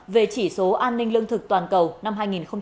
về chỉ số an ninh lương thực toàn cầu năm hai nghìn một mươi chín